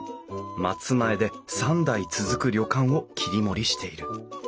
松前で三代続く旅館を切り盛りしている。